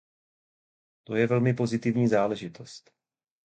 To je velmi pozitivní záležitost.